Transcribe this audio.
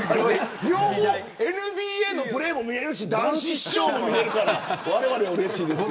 ＮＢＡのプレーも見れるし談志師匠も見れるからわれわれ、うれしいです。